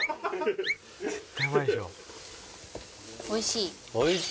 おいしい？